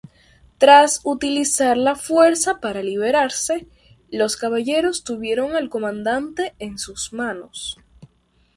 Tras utilizar la fuerza para liberarse, los caballeros tuvieron al comandante en sus manos.